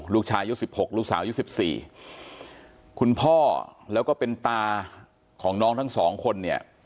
ลูกชายอายุ๑๖ลูกสาวยุค๑๔คุณพ่อแล้วก็เป็นตาของน้องทั้งสองคนเนี่ย